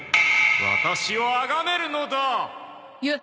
ワタシをあがめるのだ！